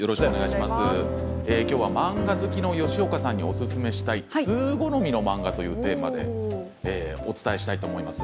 きょうは漫画好きの吉岡さんにおすすめしたい通好みの漫画ということでお伝えしたいと思います。